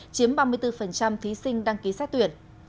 chiếm ba mươi bốn thí sinh đăng ký xét tuyển